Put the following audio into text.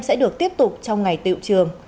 sẽ được tiếp tục trong ngày tiệu trường